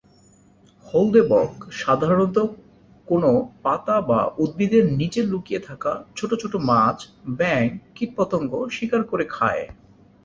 হলদে বক সাধারণত কোনো পাতা বা উদ্ভিদের নিচে লুকিয়ে থাকা ছোট ছোট মাছ, ব্যাঙ, কীটপতঙ্গ শিকার করে খায়।